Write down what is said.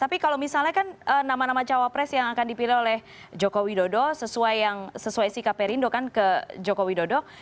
tapi kalau misalnya kan nama nama cawapres yang akan dipilih oleh jokowi dodo sesuai sikap perindo kan ke jokowi dodo